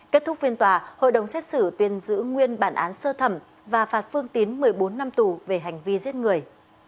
kết thúc phiên tòa hội đồng xét xử tuyên giữ nguyên bản án sơ thẩm và phạt phương tín một mươi bốn năm tù về hành vi giết người